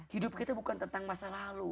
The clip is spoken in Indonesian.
hidup kita bukan tentang masa lalu